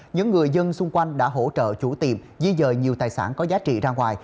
những người dân xung quanh đã hỗ trợ chủ tiệm di dời nhiều tài sản có giá trị ra ngoài